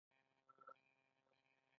دغه هرم تقریبآ څلور سوه یو اتیا فوټه لوړ دی.